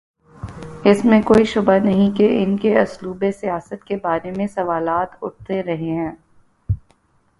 اس میں کوئی شبہ نہیں کہ ان کے اسلوب سیاست کے بارے میں سوالات اٹھتے رہے ہیں۔